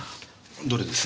どれです？